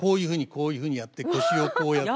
こういうふうにやって腰をこうやって。